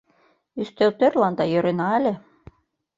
Ӱстелтӧрланда йӧрена ыле.